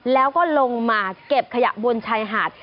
แล้วก็ลงมาเก็บขยะบนชายหาด